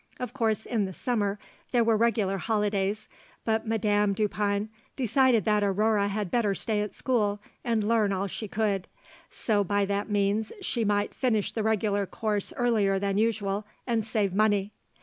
Of course, in the summer there were regular holidays, but Madame Dupin decided that Aurore had better stay at school and learn all she could, so by that means she might finish the regular course earlier than usual, and save money.